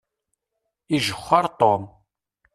Ijexxeṛ Tom.